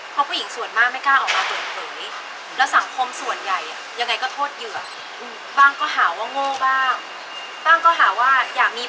เพราะผู้หญิงส่วนมากไม่กล้าออกมาเปิดเผย